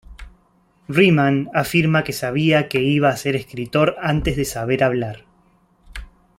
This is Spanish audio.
Ryman afirma que sabía que iba a ser escritor "antes de saber hablar".